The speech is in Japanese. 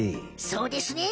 そうですね